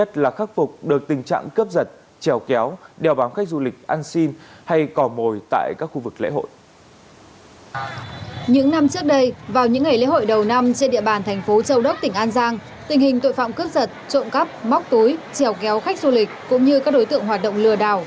trước tình hình tội phạm cướp giật trộm cắp móc túi trèo kéo khách du lịch cũng như các đối tượng hoạt động lừa đảo